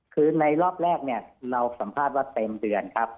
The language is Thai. คือในรอบแรกเนี่ยเราสัมภาษณ์ว่าเต็มเดือนครับ